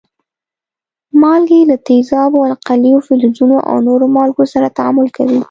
مالګې له تیزابو، القلیو، فلزونو او نورو مالګو سره تعامل کوي.